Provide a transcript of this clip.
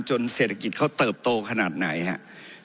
เศรษฐกิจเขาเติบโตขนาดไหนครับ